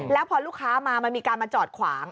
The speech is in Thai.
แล้วพอลูกค้ามามันมีการมาจอดขวาง